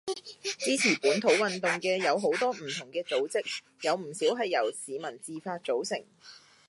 支持本土運動嘅有好多唔同嘅組織，有唔少係由市民自發組成